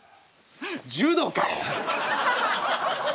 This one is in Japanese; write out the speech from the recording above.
柔道かよ！